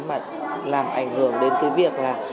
mà làm ảnh hưởng đến cái việc là